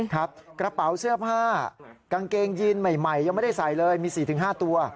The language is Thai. กระเป๋าเสื้อผ้ากางเกงยีนใหม่ยังไม่ได้ใส่เลยมี๔๕ตัว